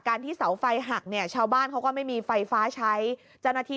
ที่เสาไฟหักเนี่ยชาวบ้านเขาก็ไม่มีไฟฟ้าใช้เจ้าหน้าที่